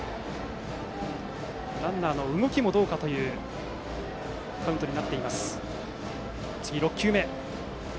ランナーの動きもどうかというカウントです。